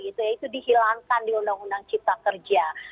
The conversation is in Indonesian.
itu dihilangkan di undang undang cipta kerja